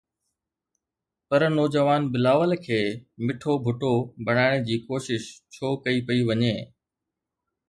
پر نوجوان بلاول کي مٺو ڀٽو بنائڻ جي ڪوشش ڇو ڪئي پئي وڃي؟